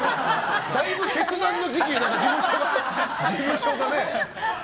だいぶ決断の時期な事務所だね。